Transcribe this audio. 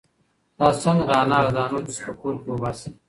تاسو څنګه د انار د دانو جوس په کور کې وباسئ؟